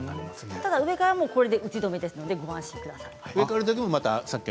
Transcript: ただ、上はこれで打ち止めですのでご安心ください。